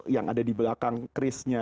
yang ada di belakang krisnya